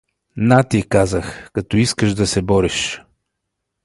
На ти, казах, като искаш да се бориш.